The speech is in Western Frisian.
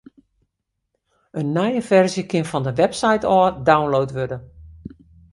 In nije ferzje kin fan de website ôf download wurde.